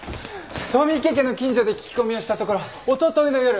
富池家の近所で聞き込みをしたところおとといの夜